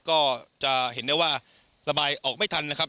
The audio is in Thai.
ก็จะเห็นได้ว่าระบายออกไม่ทันนะครับ